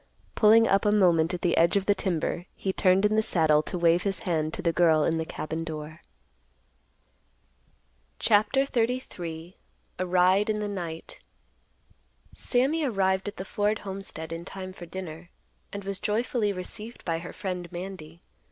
Pulling up a moment at the edge of the timber, he turned in the saddle to wave his hand to the girl in the cabin door. CHAPTER XXXIII. A RIDE IN THE NIGHT. Sammy arrived at the Ford homestead in time for dinner, and was joyfully received by her friend, Mandy.